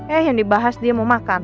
eh yang dibahas dia mau makan